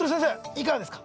いかがですか？